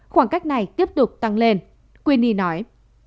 khoảng cách này tiếp tục tăng lên quenney nói